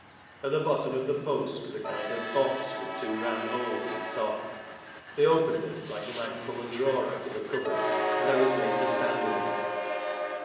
At the bottom of the posts was a kind of box with two round holes in the top. They opened this like you might pull a drawer out of a cupboard, and I was made to stand CniMINAT.